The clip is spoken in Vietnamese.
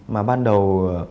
mà ban đầu